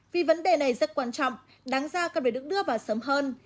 vì vấn đề này rất quan trọng đáng ra cần phải được đưa vào sớm hơn